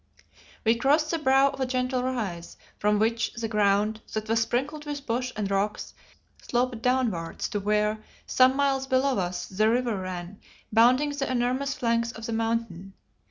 We crossed the brow of a gentle rise, from which the ground, that was sprinkled with bush and rocks, sloped downwards to where, some miles below us, the river ran, bounding the enormous flanks of the Mountain.